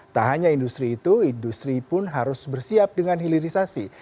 tak hanya industri itu industri pun harus bersiap dengan hilirisasi